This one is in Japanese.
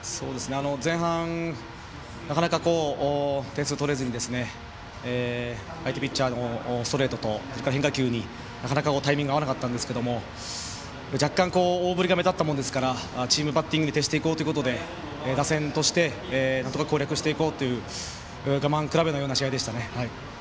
前半なかなか点数取れずに相手ピッチャーのストレート変化球になかなかタイミング合わなかったんですが若干、大振りが目立ったものですからチームバッティング徹していこうということで打線として攻略していこうという我慢比べのような試合でしたね。